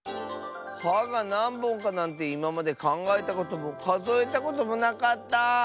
「は」がなんぼんかなんていままでかんがえたこともかぞえたこともなかった。